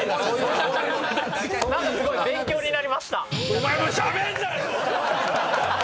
何かすごい勉強になりました。